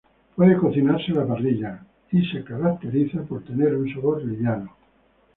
Puede ser cocinado a la parrilla y se caracteriza por tener un sabor liviano.